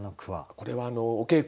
これはお稽古